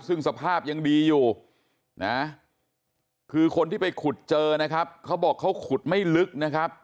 ซึ่งสภาพยังดีอยู่นะคือคนที่ไปขุดเจอนะครับเขาบอกเขาขุดไม่ลึกนะครับ